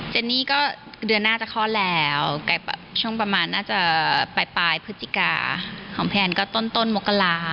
เนนี่ก็เดือนหน้าจะคลอดแล้วช่วงประมาณน่าจะปลายพฤศจิกาของแพนก็ต้นมกรา